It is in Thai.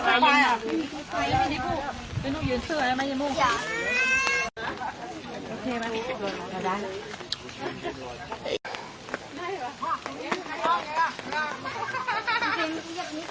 วันนี้สุดท้ายคือเป็นแรงท่าในประเภท